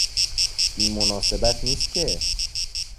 بی مناسبت نیست که